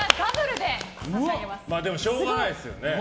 でも、しょうがないですよね。